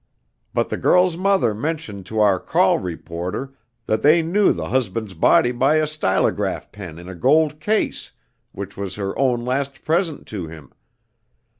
But the girl's mother mentioned to our Call reporter, that they knew the husband's body by a stylograph pen in a gold case, which was her own last present to him.